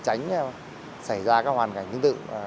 và đi làm một mình để tránh xảy ra các hoàn cảnh tương tự